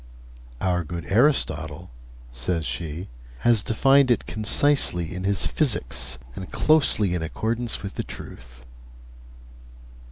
'Our good Aristotle,' says she, 'has defined it concisely in his "Physics," and closely in accordance with the truth.'